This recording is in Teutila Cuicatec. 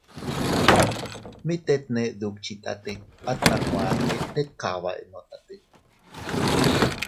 Mit tet ne dukchitate, at nakuan tet kaba eenotate.